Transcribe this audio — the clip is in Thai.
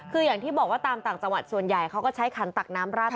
คืออย่างที่บอกว่าตามต่างจังหวัดส่วนใหญ่เขาก็ใช้ขันตักน้ำราด